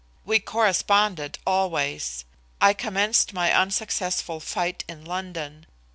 We corresponded always. I commenced my unsuccessful fight in London.